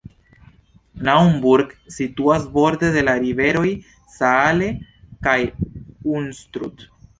Naumburg situas borde de la riveroj Saale kaj Unstrut.